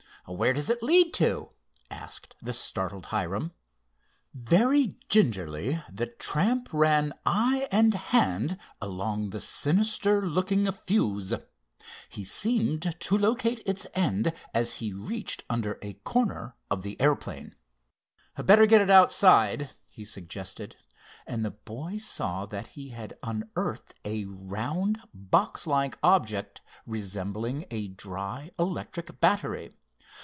"Where does it lead to?" asked the startled Hiram. Very gingerly the tramp ran eye and hand along the sinister looking fuse. He seemed to locate its end as he reached under a corner of the airplane. "Better get it outside," he suggested, and the boys saw that he had unearthed a round box like object resembling a dry electric battery.